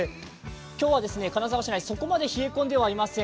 今日は金沢市内、そこまで冷え込んではいません。